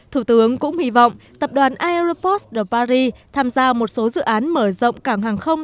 thủ tướng cũng hy vọng tập đoàn ieropost ở paris tham gia một số dự án mở rộng cảng hàng không